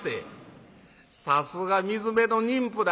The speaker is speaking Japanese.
「さすが水辺の人夫だ」。